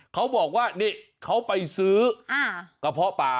เขาบอกว่านี่เขาไปซื้อกระเพาะป่า